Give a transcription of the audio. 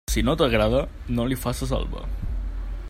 Si no t'agrada, no li faces alba.